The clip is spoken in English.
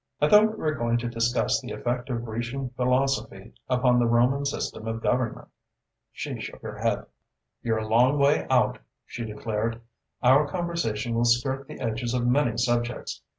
"I thought we were going to discuss the effect of Grecian philosophy upon the Roman system of government." She shook her head. "You're a long way out," she declared, "Our conversation will skirt the edges of many subjects.